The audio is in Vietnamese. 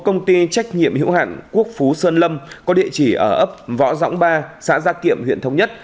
công ty trách nhiệm hữu hạn quốc phú sơn lâm có địa chỉ ở ấp võ rõng ba xã gia kiệm huyện thống nhất